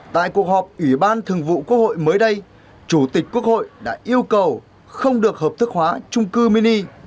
tại cuộc họp ủy ban thường vụ quốc hội mới đây chủ tịch quốc hội đã yêu cầu không được hợp thức hóa trung cư mini